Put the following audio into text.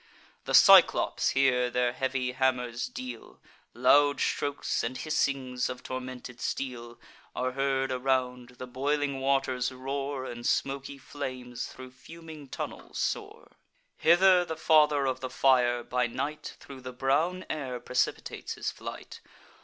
The Cyclops here their heavy hammers deal; Loud strokes, and hissings of tormented steel, Are heard around; the boiling waters roar, And smoky flames thro' fuming tunnels soar. Hither the Father of the Fire, by night, Thro' the brown air precipitates his flight.